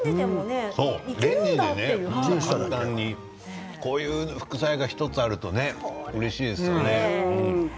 レンジで簡単にこういう副菜が１つあるとうれしいですね。